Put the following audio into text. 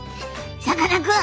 さかなクン